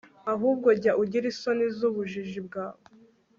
ahubwo jya ugira isoni z'ubujiji bwawe